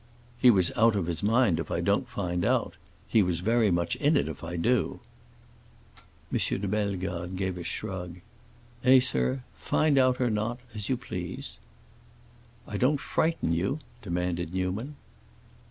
"He was out of his mind if I don't find out. He was very much in it if I do." M. de Bellegarde gave a shrug. "Eh, sir, find out or not, as you please." "I don't frighten you?" demanded Newman.